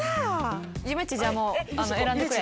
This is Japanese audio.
ゆめっちじゃあもう選んでくれ。